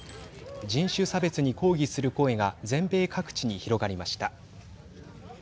人種差別に抗議する声が全米各地に広がりました。